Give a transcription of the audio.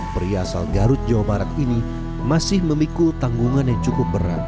pria asal garut jawa barat ini masih memikul tanggungan yang cukup berat